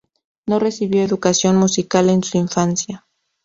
No recibió educación musical en su infancia.